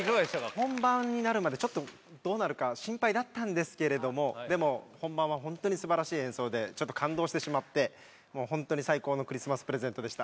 本番になるまで、ちょっとどうなるか心配だったんですけれども、でも、本番は本当にすばらしい演奏で、ちょっと感動してしまって、もう本当に最高のクリスマスプレゼントでした。